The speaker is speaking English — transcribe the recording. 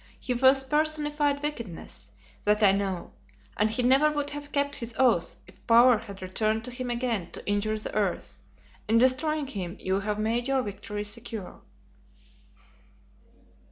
He was personified wickedness, that I know; and he never would have kept his oath if power had returned to him again to injure the earth. In destroying him, you have made your victory secure."